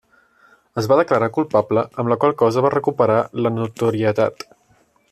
Es va declarar culpable, amb la qual cosa va recuperar la notorietat.